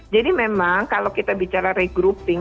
jadi memang kalau kita bicara regrouping